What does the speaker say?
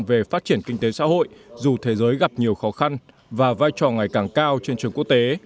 về phát triển kinh tế xã hội dù thế giới gặp nhiều khó khăn và vai trò ngày càng cao trên trường quốc tế